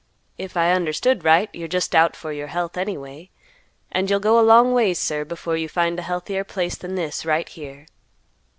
If I understood right, you're just out for your health anyway, and you'll go a long ways, sir, before you find a healthier place than this right here.